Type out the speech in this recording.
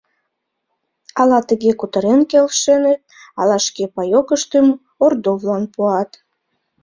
Ала тыге кутырен келшеныт, ала шке паекыштым Ордовлан пуат.